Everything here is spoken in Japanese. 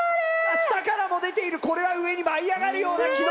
下からも出ているこれは上に舞いあがるような軌道だ！